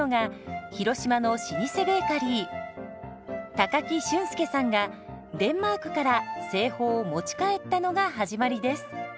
高木俊介さんがデンマークから製法を持ち帰ったのが始まりです。